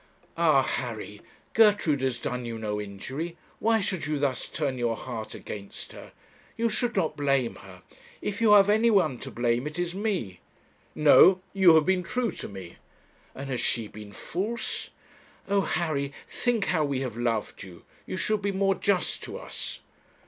'Ah! Harry, Gertrude has done you no injury; why should you thus turn your heart against her? You should not blame her; if you have anyone to blame, it is me.' 'No; you have been true to me.' 'And has she been false? Oh! Harry, think how we have loved you! You should be more just to us.'